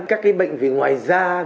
các cái bệnh về ngoài dân